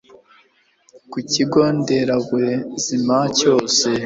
ku kigo nderabuzima cyose